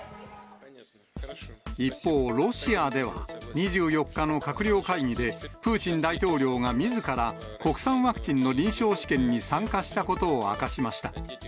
一方、ロシアでは、２４日の閣僚会議で、プーチン大統領がみずから国産ワクチンの臨床試験に参加したことを明かしました。